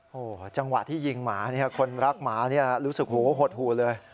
โหจังหวะที่ยิงหมาเนี่ยคนรักหมาเนี่ยรู้สึกโหดหูเลย